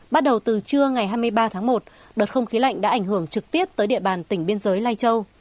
bắt đầu từ trưa ngày hai mươi ba tháng một đợt không khí lạnh đã ảnh hưởng trực tiếp tới địa bàn tỉnh biên giới lai châu